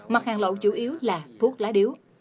mặt hàng lậu chủ yếu là thuốc lá điếu